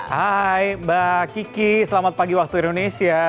hai mbak kiki selamat pagi waktu indonesia